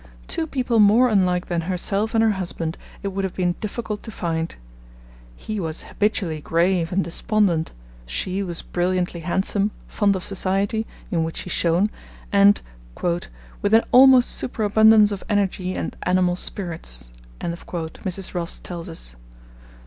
Two people more unlike than herself and her husband it would have been difficult to find. He was habitually grave and despondent; she was brilliantly handsome, fond of society, in which she shone, and 'with an almost superabundance of energy and animal spirits,' Mrs. Ross tells us.